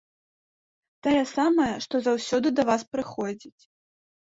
Тая самая, што заўсёды да вас прыходзіць.